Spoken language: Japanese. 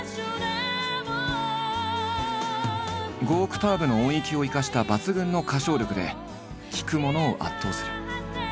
５オクターブの音域を生かした抜群の歌唱力で聴く者を圧倒する。